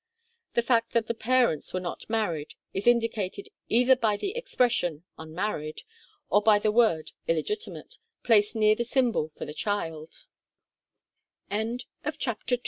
The fact that the parents were not married is indi cated either by the expression "unmarried" or by the word "illegitimate," placed near the symbol for the child. CASPAR. A. 1736. d.